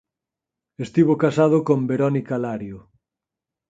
Estivo casado con Veronica Lario.